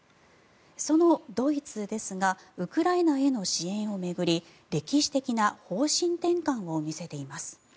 そのドイツですがウクライナへの支援を巡り歴史的な方針転換を見せています。